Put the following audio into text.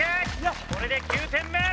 これで９点目！